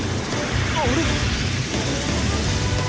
あれ？